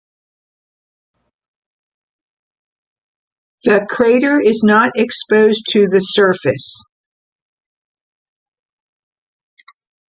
The crater is not exposed to the surface.